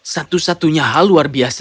satu satunya hal luar biasa